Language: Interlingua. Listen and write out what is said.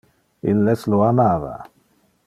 Illes lo amava.